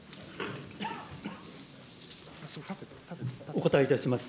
お答えいたします。